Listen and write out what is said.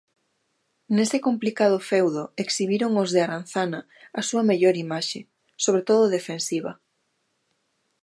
Nese complicado feudo exhibiron os de Aranzana a súa mellor imaxe, sobre todo defensiva.